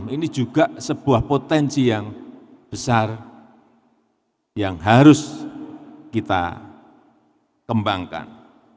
ini juga sebuah potensi yang besar yang harus kita kembangkan